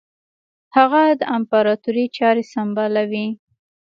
هغه د امپراطوري چاري سمبالوي.